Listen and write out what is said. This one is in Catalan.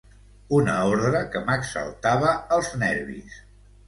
Una ordre que m'exaltava els nervis.